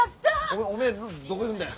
おいおめえどこ行ぐんだよ。